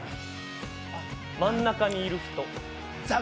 真ん中にいる人。